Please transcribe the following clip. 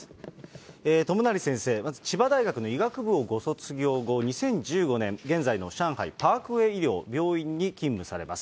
友成先生、まず千葉大学の医学部をご卒業後、２０１５年、現在の上海パークウェイ医療病院に勤務されます。